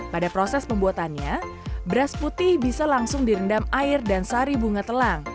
pada proses pembuatannya beras putih bisa langsung direndam air dan sari bunga telang